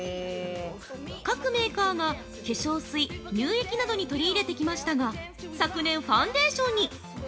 各メーカーが化粧水・乳液などに取り入れてきましたが、昨年、ファンデーションに！